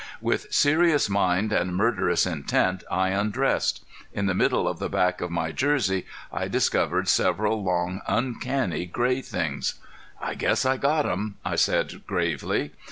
With serious mind and murderous intent I undressed. In the middle of the back of my jersey I discovered several long, uncanny, gray things. "I guess I got 'em," I said gravely.